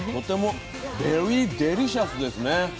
とてもベリーデリシャスですね。